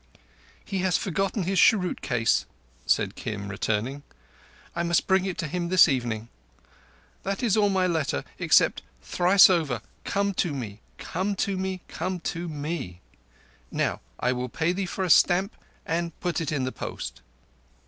"He has forgotten his cheroot case," said Kim, returning. "I must bring it to him this evening. That is all my letter except, thrice over, Come to me! Come to me! Come to me! Now I will pay for a stamp and put it in the post.